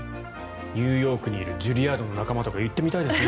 ニューヨークにいるジュリアードの仲間とか言ってみたいですね。